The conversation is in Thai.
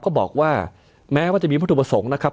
ก็บอกว่าแม้ว่าจะมีวัตถุประสงค์นะครับ